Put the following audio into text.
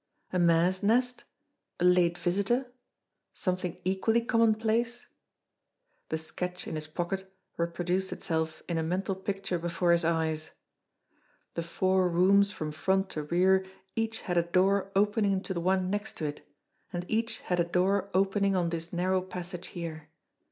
A mare's nest ? A late visitor ? Something equally commonplace? The sketch in his pocket reproduced itself in a mental picture before his eyes. The four rooms from front to rear each had a door opening into the one next to it, and each had a door opening on this narrow passage here.